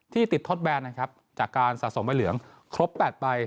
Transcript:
ที่ติดทดแบนนะครับจากการสะสมใบเหลืองครบ๘ใบ